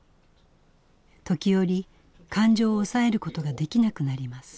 時折感情を抑えることができなくなります。